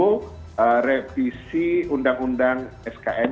kita menunggu revisi undang undang skm